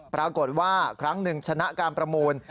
ปรากฏว่าครั้งหนึ่งชนะการประมูล